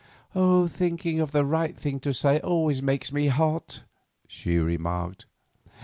"Thinking of the right thing to say always makes me hot," she remarked.